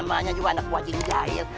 namanya juga anak gua jail